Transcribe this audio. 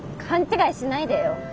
勘違いしないでよ。